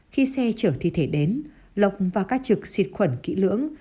khi xe chở thi thể đến lộc vào các trực xịt khuẩn kỹ lưỡng